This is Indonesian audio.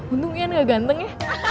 untung uyan gak ganteng ya